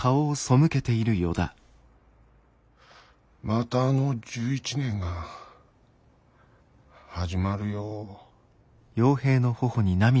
またあの１１年が始まるよ。